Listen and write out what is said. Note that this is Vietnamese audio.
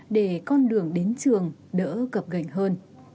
để con đường đến trường đỡ cập gành hơn